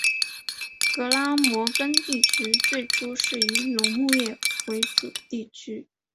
格拉摩根地区最初是以农牧业为主的地区。